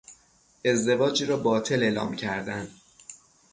ازدواجی را باطل اعلام کردن